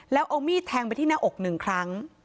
แล้วเอามีดแทงไปที่หน้าอกหนึ่งครั้ง